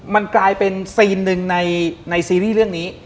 มันกลายเป็นซีนหนึ่งในซีรีส์เรื่องนี้